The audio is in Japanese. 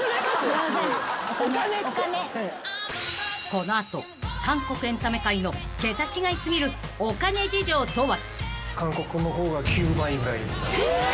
［この後韓国エンタメ界の桁違い過ぎるお金事情とは？］